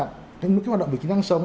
những cái hoạt động về kỹ năng sống